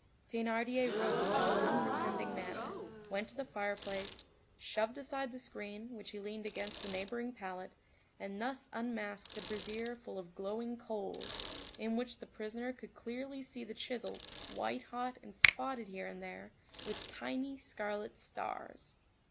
Thénardier rose in an unpretending manner, went to the fireplace, shoved aside the screen, which he leaned against the neighboring pallet, and thus unmasked the brazier full of glowing coals, in which the prisoner could plainly see the chisel white hot and spotted here and there with tiny scarlet stars.